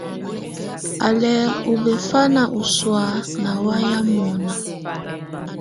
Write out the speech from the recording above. Á lɛ̀ ù bɛ̀fanɛ̀ ù sɔ̀á nà waya mɔ̀na.